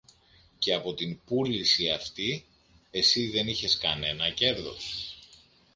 Και από την πούληση αυτή εσύ δεν είχες κανένα κέρδος;